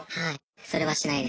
はい。